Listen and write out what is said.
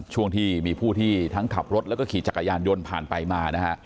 ช่วงที่มีผู้ที่ทั้งขับรถแล้วก็ขี่จักรยานยนต์ผ่านไปมานะฮะ